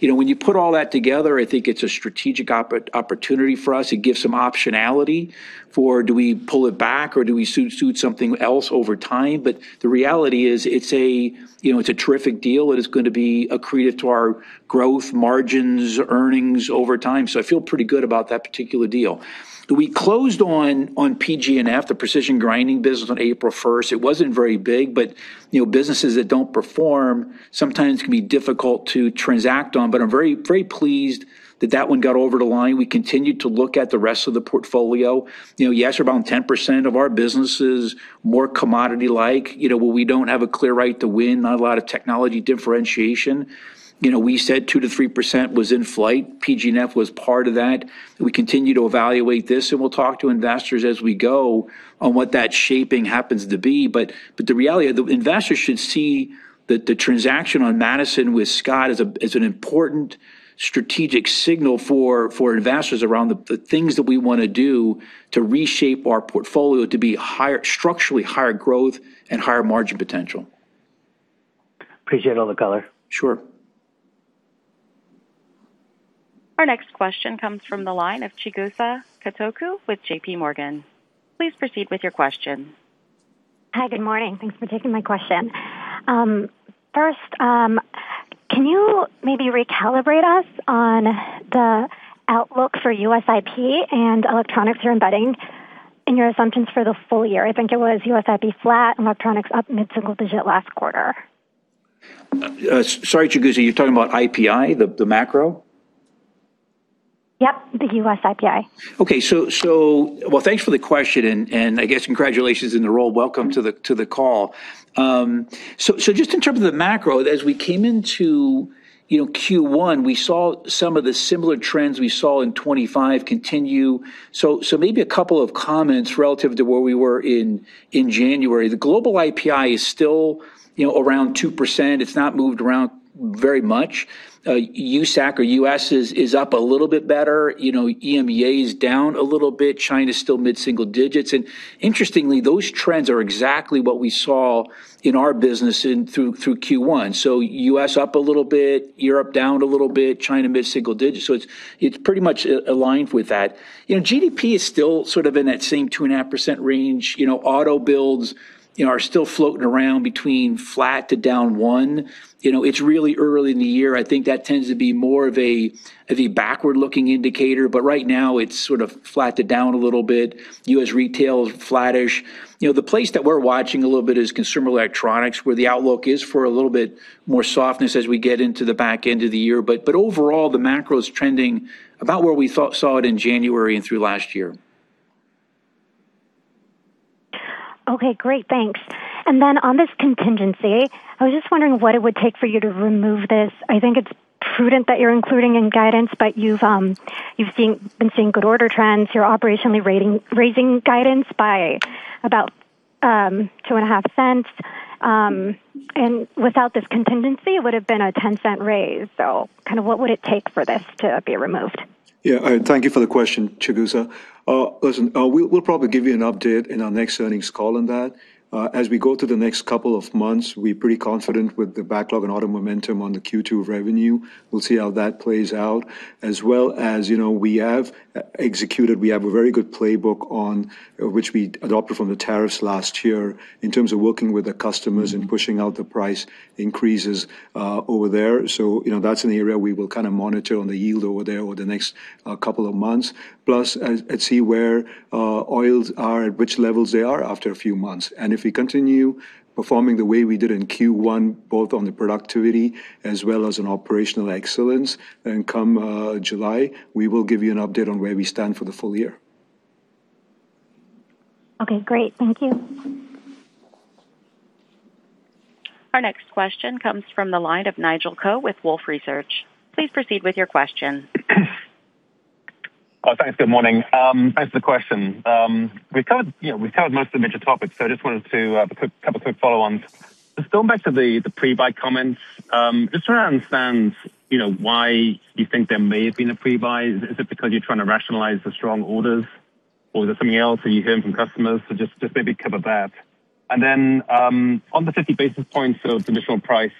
When you put all that together, I think it's a strategic opportunity for us. It gives some optionality for do we pull it back or do we suit something else over time. The reality is, it's a terrific deal that is going to be accretive to our growth margins, earnings over time. I feel pretty good about that particular deal. We closed on PG&F, the precision grinding business, on April 1st. It wasn't very big, but businesses that don't perform sometimes can be difficult to transact on. I'm very pleased that that one got over the line. We continue to look at the rest of the portfolio. Yes, around 10% of our business is more commodity-like, where we don't have a clear right to win, not a lot of technology differentiation. We said 2%-3% was in flight. PG&F was part of that. We continue to evaluate this, and we'll talk to investors as we go on what that shaping happens to be. The reality, investors should see that the transaction on Madison with Scott is an important strategic signal for investors around the things that we want to do to reshape our portfolio to be structurally higher growth and higher margin potential. Appreciate all the color. Sure. Our next question comes from the line of Chigusa Katoku with J.P. Morgan. Please proceed with your question. Hi. Good morning. Thanks for taking my question. First, can you maybe recalibrate us on the outlook for U.S. IP and electronics you're embedding in your assumptions for the full year? I think it was U.S. IP flat, electronics up mid-single digit last quarter. Sorry, Chigusa, you're talking about IPI, the macro? Yep. The U.S. IPI. Okay. Well, thanks for the question, and I guess congratulations in the role. Welcome to the call. Just in terms of the macro, as we came into Q1, we saw some of the similar trends we saw in 2025 continue. Maybe a couple of comments relative to where we were in January. The global IPI is still around 2%. It's not moved around very much. U.S. is up a little bit better. EMEA is down a little bit. China's still mid-single digits. Interestingly, those trends are exactly what we saw in our business through Q1. U.S. up a little bit, Europe down a little bit, China mid-single digits. It's pretty much aligned with that. GDP is still sort of in that same 2.5% range. Auto builds are still floating around between flat to down 1%. It's really early in the year. I think that tends to be more of a backward-looking indicator, but right now it's sort of flat to down a little bit. U.S. retail is flattish. The place that we're watching a little bit is consumer electronics, where the outlook is for a little bit more softness as we get into the back end of the year. Overall, the macro is trending about where we saw it in January and through last year. Okay, great. Thanks. Then on this contingency, I was just wondering what it would take for you to remove this. I think it's prudent that you're including in guidance, but you've been seeing good order trends. You're operationally raising guidance by about $0.025. Without this contingency, it would have been a $0.10 raise. Kind of what would it take for this to be removed? Yeah. Thank you for the question, Chigusa. Listen, we'll probably give you an update in our next earnings call on that. As we go through the next couple of months, we're pretty confident with the backlog and auto momentum on the Q2 revenue. We'll see how that plays out, as well as we have executed. We have a very good playbook which we adopted from the tariffs last year in terms of working with the customers and pushing out the price increases over there. That's an area we will kind of monitor on the yield over there over the next couple of months. Plus, see where oil's at which levels it's at after a few months. If we continue performing the way we did in Q1, both on the productivity as well as on operational excellence, then come July, we will give you an update on where we stand for the full year. Okay, great. Thank you. Our next question comes from the line of Nigel Coe with Wolfe Research. Please proceed with your question. Oh, thanks. Good morning. Thanks for the question. We've covered most of the major topics, so I just wanted to, a couple of quick follow-ons. Just going back to the pre-buy comments. Just trying to understand why you think there may have been a pre-buy. Is it because you're trying to rationalize the strong orders, or is it something else that you're hearing from customers? Just maybe cover that. Then on the 50 basis points of the initial price,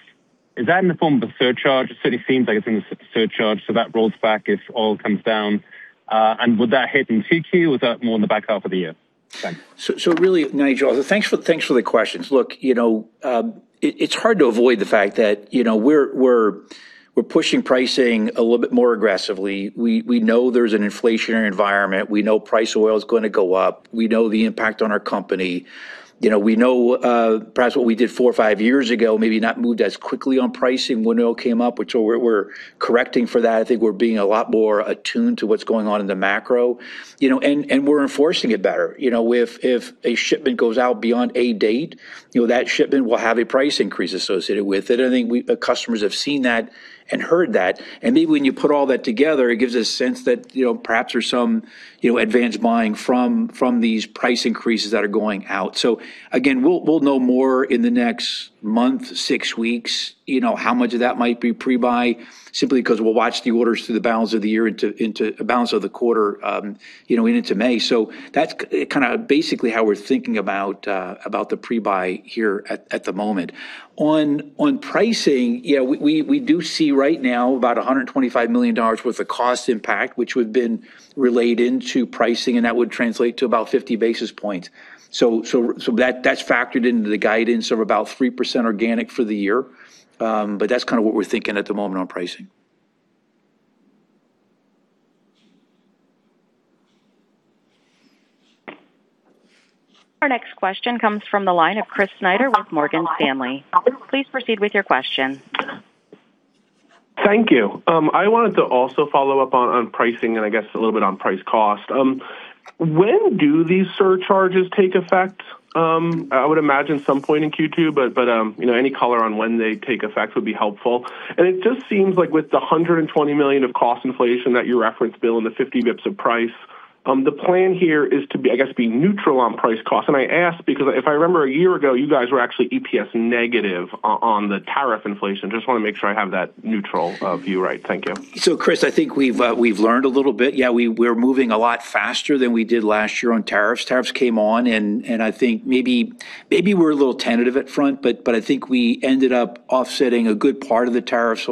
is that in the form of a surcharge? It certainly seems like a surcharge, so that rolls back if oil comes down. Would that hit in Q2 or is that more in the H2 of the year? Thanks. Really, Nigel, thanks for the questions. Look, it's hard to avoid the fact that we're pushing pricing a little bit more aggressively. We know there's an inflationary environment. We know the price of oil is going to go up. We know the impact on our company. We know perhaps what we did four or five years ago, maybe not moved as quickly on pricing when oil came up, which we're correcting for that. I think we're being a lot more attuned to what's going on in the macro, and we're enforcing it better. If a shipment goes out beyond a date, that shipment will have a price increase associated with it. I think customers have seen that and heard that. Maybe when you put all that together, it gives a sense that perhaps there's some advanced buying from these price increases that are going out. Again, we'll know more in the next month, six weeks, how much of that might be pre-buy, simply because we'll watch the orders through the balance of the quarter into May. That's kind of basically how we're thinking about the pre-buy here at the moment. On pricing, yeah, we do see right now about $125 million worth of cost impact, which would have been relayed into pricing, and that would translate to about 50 basis points. That's factored into the guidance of about 3% organic for the year. That's kind of what we're thinking at the moment on pricing. Our next question comes from the line of Chris Snyder with Morgan Stanley. Please proceed with your question. Thank you. I wanted to also follow up on pricing and I guess a little bit on price cost. When do these surcharges take effect? I would imagine some point in Q2, but any color on when they take effect would be helpful. It just seems like with the $120 million of cost inflation that you referenced, Bill, and the 50 basis points of price, the plan here is to, I guess, be neutral on price cost. I ask because if I remember a year ago, you guys were actually EPS negative on the tariff inflation. Just want to make sure I have that neutral view right. Thank you. Chris, I think we've learned a little bit. Yeah, we're moving a lot faster than we did last year on tariffs. Tariffs came on and I think maybe we're a little tentative up front, but I think we ended up offsetting a good part of the tariffs with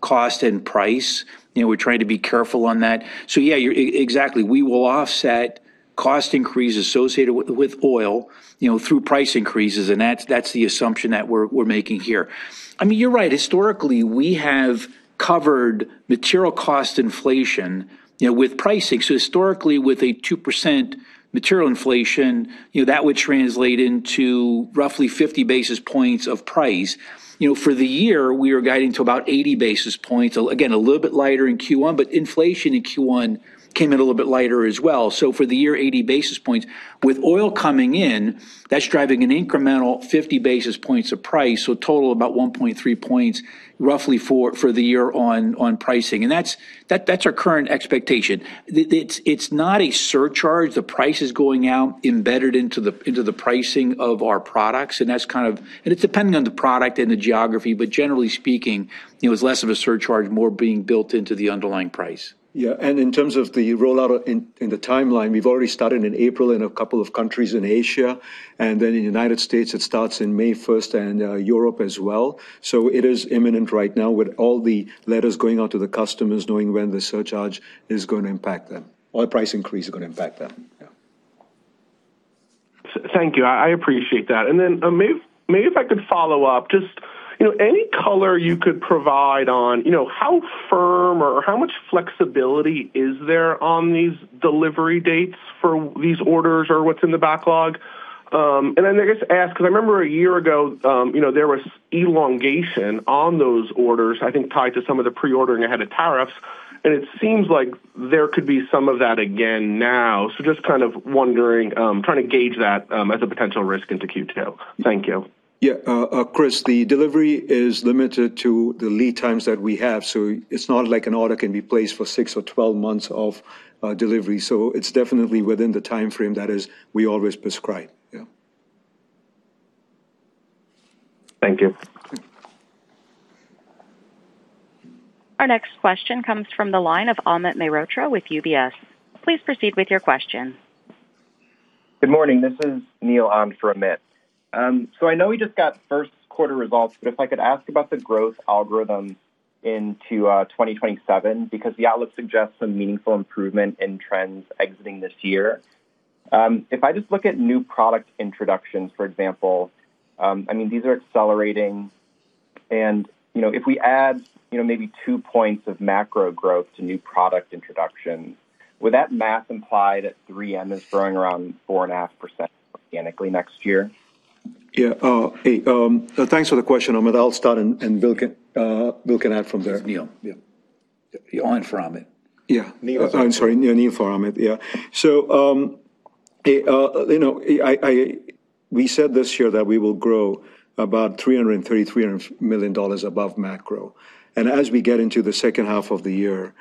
cost and price. We're trying to be careful on that. Yeah, exactly. We will offset cost increases associated with oil through price increases and that's the assumption that we're making here. I mean, you're right. Historically, we have covered material cost inflation with pricing. Historically, with a 2% material inflation, that would translate into roughly 50 basis points of price. For the year, we are guiding to about 80 basis points. Again, a little bit lighter in Q1, but inflation in Q1 came in a little bit lighter as well. For the year, 80 basis points. With oil coming in, that's driving an incremental 50 basis points of price. Total about 1.3 points roughly for the year on pricing. That's our current expectation. It's not a surcharge. The price is going out embedded into the pricing of our products, and it's dependent on the product and the geography, but generally speaking, it was less of a surcharge, more being built into the underlying price. Yeah. In terms of the rollout in the timeline, we've already started in April in a couple of countries in Asia, and then in the United States, it starts in May 1st and Europe as well. It is imminent right now with all the letters going out to the customers knowing when the surcharge is going to impact them, or price increase is going to impact them. Yeah. Thank you. I appreciate that. Maybe if I could follow up, just any color you could provide on how firm or how much flexibility is there on these delivery dates for these orders or what's in the backlog? I guess ask, because I remember a year ago, there was elongation on those orders, I think tied to some of the pre-ordering ahead of tariffs, and it seems like there could be some of that again now. Just kind of wondering, trying to gauge that as a potential risk into Q2. Thank you. Yeah. Chris, the delivery is limited to the lead times that we have. It's not like an order can be placed for 6 months or 12 months of delivery. It's definitely within the time frame that is we always prescribe. Yeah. Thank you. Our next question comes from the line of Amit Mehrotra with UBS. Please proceed with your question. Good morning. This is Neil. I'm for Amit. I know we just got Q1 results, but if I could ask about the growth algorithms into 2027 because the outlook suggests some meaningful improvement in trends exiting this year. If I just look at new product introductions, for example, I mean, these are accelerating and if we add maybe 2 points of macro growth to new product introduction, would that math imply that 3M is growing around 4.5% organically next year? Yeah. Hey, thanks for the question, Amit. I'll start and Bill can add from there. It's Neil. Yeah. Neil. I'm sorry. Neil for Amit. Yeah.We said this year that we will grow about $333 million above macro. As we get into the H2 of the year,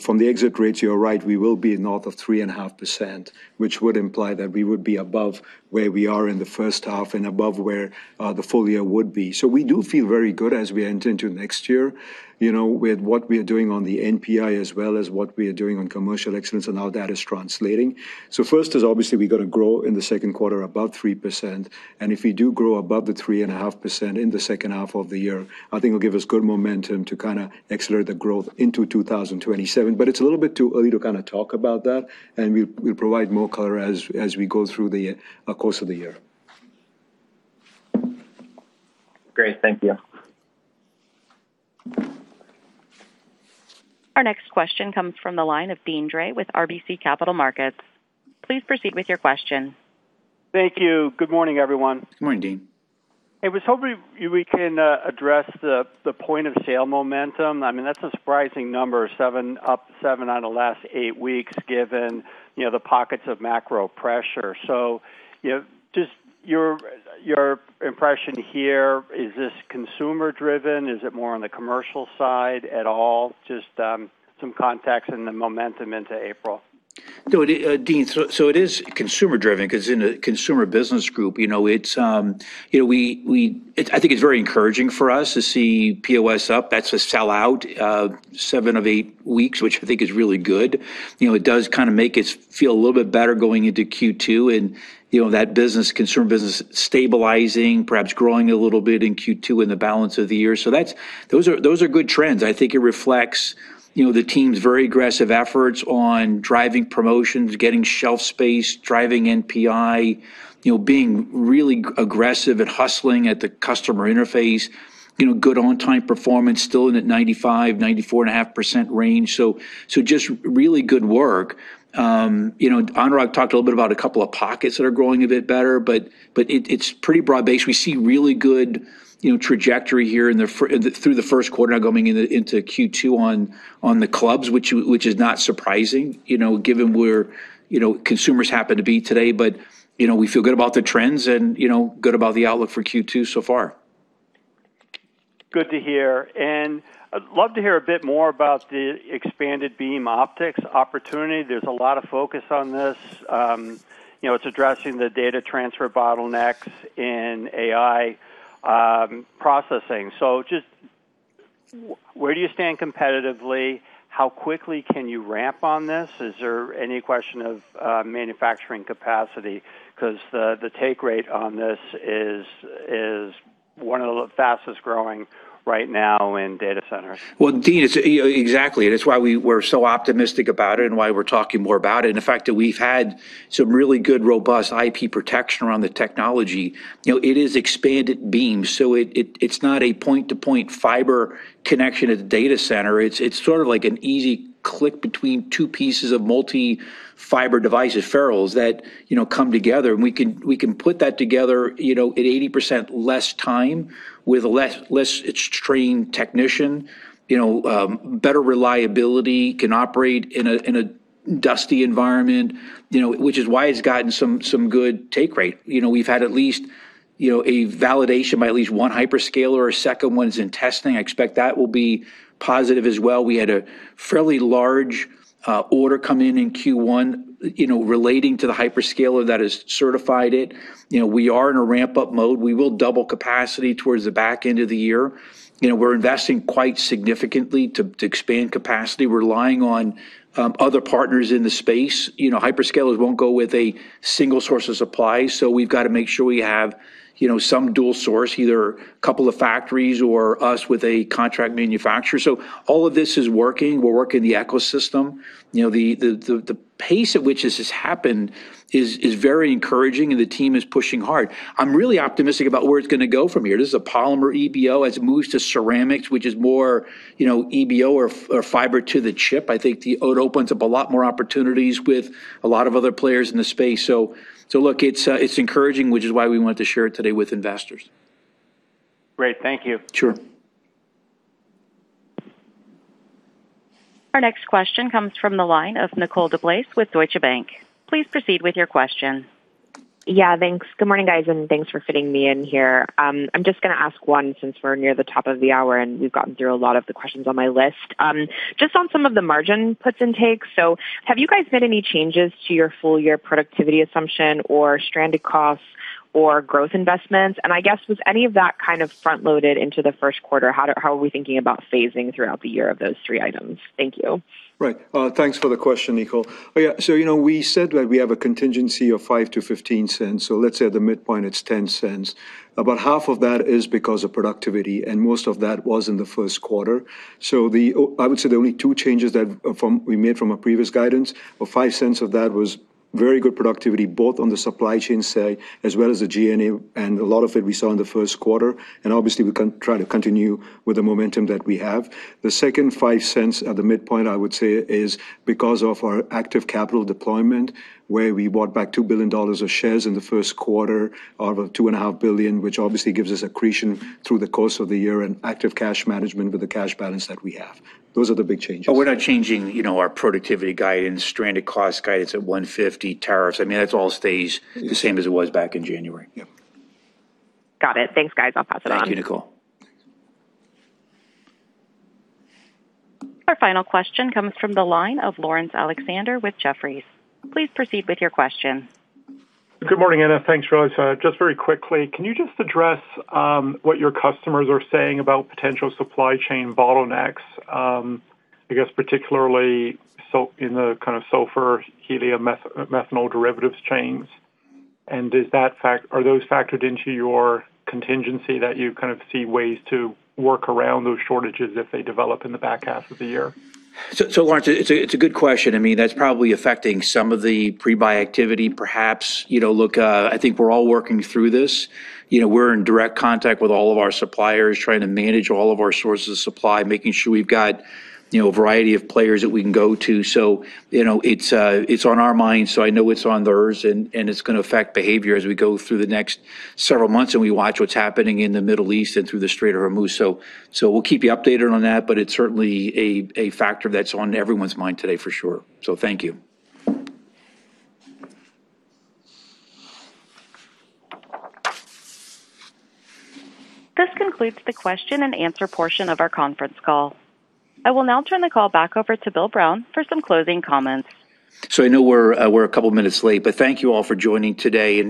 from the exit rates, you're right, we will be north of 3.5%, which would imply that we would be above where we are in the H1 and above where the full year would be. We do feel very good as we enter into next year, with what we are doing on the NPI as well as what we are doing on commercial excellence and how that is translating. First is obviously we got to grow in the Q2 about 3%. If we do grow above the 3.5% in the H2 of the year, I think it'll give us good momentum to kind of accelerate the growth into 2027. It's a little bit too early to kind of talk about that, and we'll provide more color as we go through the course of the year. Great. Thank you. Our next question comes from the line of Deane Dray with RBC Capital Markets. Please proceed with your question. Thank you. Good morning, everyone. Good morning, Deane. I was hoping we can address the point of sale momentum. That's a surprising number, up seven out of the last eight weeks, given the pockets of macro pressure. Just your impression here, is this consumer-driven? Is it more on the commercial side at all? Just some context and the momentum into April. Deane, it is consumer-driven because in the Consumer Business Group, I think it's very encouraging for us to see POS up. That's a sell-out, 7 weeks of 8 weeks, which I think is really good. It does kind of make us feel a little bit better going into Q2 and that consumer business stabilizing, perhaps growing a little bit in Q2 and the balance of the year. Those are good trends. I think it reflects the team's very aggressive efforts on driving promotions, getting shelf space, driving NPI, being really aggressive at hustling at the customer interface, good on-time performance, still in at 95%-94.5% range. Just really good work. Anurag talked a little bit about a couple of pockets that are growing a bit better, but it's pretty broad-based. We see really good trajectory here through the Q1 now going into Q2 on the clubs, which is not surprising, given where consumers happen to be today. We feel good about the trends and good about the outlook for Q2 so far. Good to hear. I'd love to hear a bit more about the Expanded Beam Optics opportunity. There's a lot of focus on this. It's addressing the data transfer bottlenecks in AI processing. Just where do you stand competitively? How quickly can you ramp on this? Is there any question of manufacturing capacity? Because the take rate on this is one of the fastest-growing right now in data centers. Well, Deane, exactly. That's why we're so optimistic about it and why we're talking more about it, and the fact that we've had some really good, robust IP protection around the technology. It is Expanded Beam, so it's not a point-to-point fiber connection at the data center. It's sort of like an easy click between two pieces of multi-fiber devices, ferrules, that come together, and we can put that together at 80% less time with a less trained technician. Better reliability, can operate in a dusty environment, which is why it's gotten some good take rate. We've had at least a validation by at least one hyperscaler. A second one is in testing. I expect that will be positive as well. We had a fairly large order come in in Q1 relating to the hyperscaler that has certified it. We are in a ramp-up mode. We will double capacity towards the back end of the year. We're investing quite significantly to expand capacity. We're relying on other partners in the space. Hyperscalers won't go with a single source of supply, so we've got to make sure we have some dual source, either couple of factories or us with a contract manufacturer. All of this is working. We're working the ecosystem. The pace at which this has happened is very encouraging, and the team is pushing hard. I'm really optimistic about where it's going to go from here. This is a polymer EBO. As it moves to ceramics, which is more EBO or fiber to the chip, I think it opens up a lot more opportunities with a lot of other players in the space. Look, it's encouraging, which is why we wanted to share it today with investors. Great. Thank you. Sure. Our next question comes from the line of Nicole DeBlase with Deutsche Bank. Please proceed with your question. Yeah, thanks. Good morning, guys, and thanks for fitting me in here. I'm just going to ask one since we're near the top of the hour and we've gotten through a lot of the questions on my list. Just on some of the margin puts and takes. Have you guys made any changes to your full-year productivity assumption or stranded costs or growth investments? I guess, was any of that kind of front-loaded into the Q1? How are we thinking about phasing throughout the year of those three items? Thank you. Right. Thanks for the question, Nicole. We said that we have a contingency of $0.05-$0.15. Let's say at the midpoint it's $0.10. About half of that is because of productivity, and most of that was in the Q1. I would say the only two changes that we made from our previous guidance of $0.05 of that was very good productivity, both on the supply chain side as well as the G&A, and a lot of it we saw in the Q1. Obviously, we can try to continue with the momentum that we have. The second $0.05 at the midpoint, I would say, is because of our active capital deployment, where we bought back $2 billion of shares in the Q1 out of $2.5 billion, which obviously gives us accretion through the course of the year and active cash management with the cash balance that we have. Those are the big changes. We're not changing our productivity guidance, stranded cost guidance at $150, tariffs. That all stays the same as it was back in January. Yep. Got it. Thanks, guys. I'll pass it on. Thank you, Nicole. Our final question comes from the line of Laurence Alexander with Jefferies. Please proceed with your question. Good morning, Anurag Thanks, Anurag. Just very quickly, can you just address what your customers are saying about potential supply chain bottlenecks? I guess particularly in the kind of sulfur, helium, methanol derivatives chains. Are those factored into your contingency that you kind of see ways to work around those shortages if they develop in the H2 of the year? Laurence, it's a good question. That's probably affecting some of the pre-buy activity, perhaps. Look, I think we're all working through this. We're in direct contact with all of our suppliers, trying to manage all of our sources of supply, making sure we've got a variety of players that we can go to. It's on our minds, so I know it's on theirs, and it's going to affect behavior as we go through the next several months, and we watch what's happening in the Middle East and through the Strait of Hormuz. We'll keep you updated on that, but it's certainly a factor that's on everyone's mind today for sure. Thank you. This concludes the question and answer portion of our conference call. I will now turn the call back over to Bill Brown for some closing comments. I know we're a couple of minutes late, but thank you all for joining today.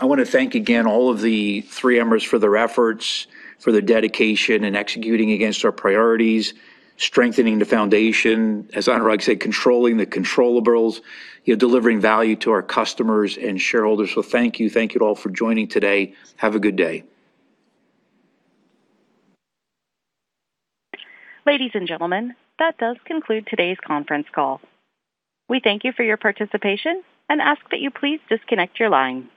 I want to thank again all of the 3Mers for their efforts, for their dedication in executing against our priorities, strengthening the foundation. As Anurag said, controlling the controllables, delivering value to our customers and shareholders. Thank you. Thank you all for joining today. Have a good day. Ladies and gentlemen, that does conclude today's conference call. We thank you for your participation and ask that you please disconnect your line.